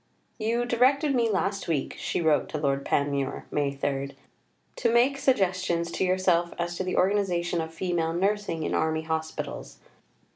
"You directed me last week," she wrote to Lord Panmure (May 3), "to make suggestions to yourself as to the organization of Female Nursing in Army Hospitals.